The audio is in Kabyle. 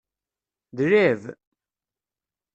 D lɛib.